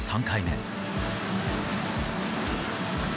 ３回目。